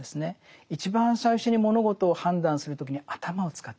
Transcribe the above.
一番最初に物事を判断する時に頭を使っちゃう。